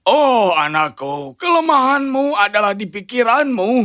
oh anakku kelemahanmu adalah di pikiranmu